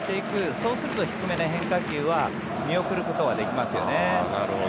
そうすると低めの変化球は見送ることはできますよね。